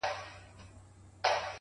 ناکامي د بلې هڅې خاموشه بلنه ده’